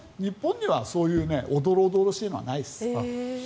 日本にはそういうおどろおどろしいのはないです。